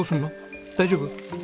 大丈夫？